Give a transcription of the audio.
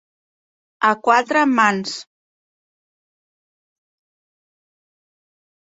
A quatre mans.